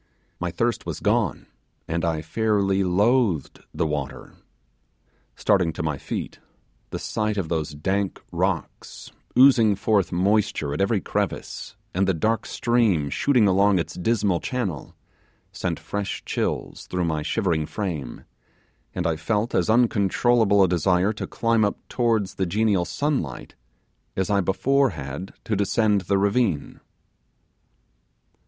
My thirst was gone, and I fairly loathed the water. Starting to my feet, the sight of those dank rocks, oozing forth moisture at every crevice, and the dark stream shooting along its dismal channel, sent fresh chills through my shivering frame, and I felt as uncontrollable a desire to climb up towards the genial sunlight as I before had to descend the ravine.